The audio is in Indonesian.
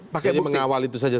jadi mengawal itu saja